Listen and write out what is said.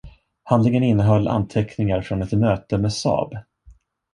Handlingen innehöll anteckningar från ett möte med Saab.